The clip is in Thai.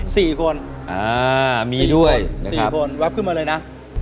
สี่คนอ่ามีด้วยสี่คนแวบขึ้นมาเลยนะ